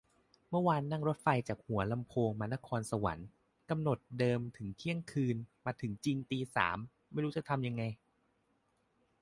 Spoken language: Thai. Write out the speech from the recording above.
เมื่อวานนั่งรถไฟจากหัวลำโพงมานครสวรรค์ กำหนดเดิมถึงเที่ยงคืน มาถึงจริงตีสาม ไม่รู้จะทำยังไง